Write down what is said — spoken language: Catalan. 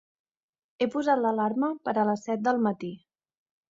He posat l'alarma per a les set del matí.